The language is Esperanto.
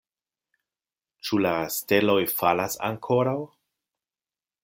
Ĉu la steloj falas ankoraŭ?